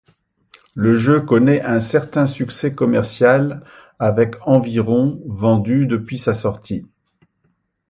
Le jeu connaît un certain succès commercial avec environ vendus depuis sa sortie.